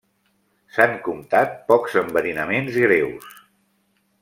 S'han comptat pocs enverinaments greus.